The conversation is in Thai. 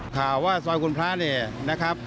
ข่าวว่าซอยคุณพระเนี่ยนะครับ